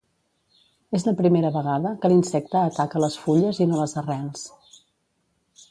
És la primera vegada que l'insecte ataca les fulles i no les arrels.